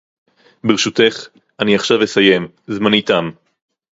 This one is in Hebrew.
ברשותך, אני עכשיו אסיים, זמני תם